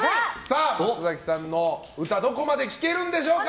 松崎さんの歌はどこまで聴けるんでしょうか。